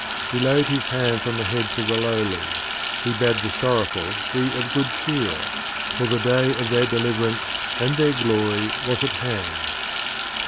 He laid his hands on the heads of the lowly; he bade the sorrowful be of good cheer, for the day of their deliverance and their glory was at hand.